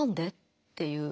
っていう。